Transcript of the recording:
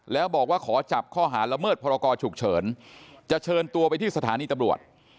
แล้วบอกว่าขอจับข้อหาละเมิดพรกรฉุกเฉินจะเชิญตัวไปที่สถานีตำรวจ